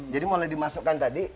jadi mulai dimasukkan tadi